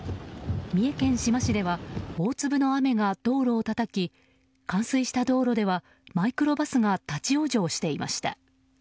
三重県志摩市では大粒の雨が道路をたたき冠水した道路ではマイクロバスが立ち往生していました。